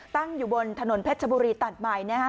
ตั้งอยู่บนถนนเพชรชบุรีตัดใหม่นะฮะ